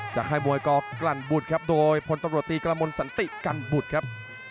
จะให้มวยกรกรรบุตครับโดยพลตรวจตีกรมนต์สันติกรรบุตครับ